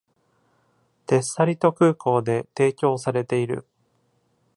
テッサリト空港で提供されている。